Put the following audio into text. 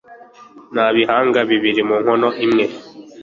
Nta bihanga bibiri mu nkono imwe